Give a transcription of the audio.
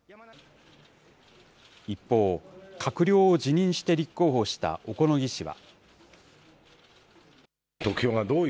一方、閣僚を辞任して立候補した小此木氏は。